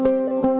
lalu dia nyaman